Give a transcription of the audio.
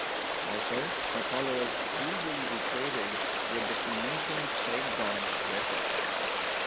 Also, Apollo is usually equated with the Phoenician plague god Resheph.